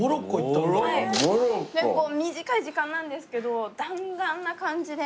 結構短い時間なんですけど弾丸な感じで。